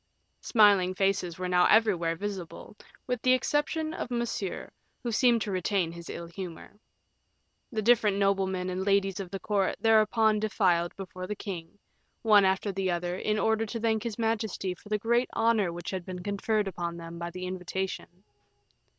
Smiling faces were now everywhere visible, with the exception of Monsieur, who seemed to retain his ill humor. The different noblemen and ladies of the court thereupon defiled before the king, one after the other, in order to thank his majesty for the great honor which had been conferred upon them by the invitation.